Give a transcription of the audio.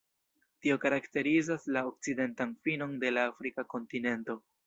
Tio karakterizas la okcidentan finon de la Afrika kontinento.